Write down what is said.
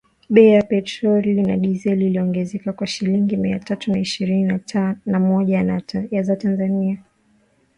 Bei ya petroli na dizeli iliongezeka kwa shilingi mia tatu na ishirini na moja za Tanzania